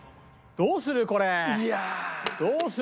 どうする？